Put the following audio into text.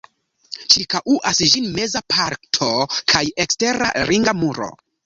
Ĉirkaŭas ĝin meza parto kaj ekstera ringa muro.